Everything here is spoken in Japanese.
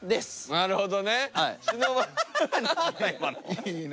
なるほど。